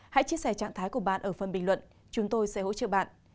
hãy chia sẻ trạng thái của bạn ở phần bình luận chúng tôi sẽ hỗ trợ bạn